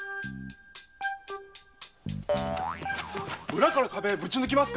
裏から壁ブチ抜きますか？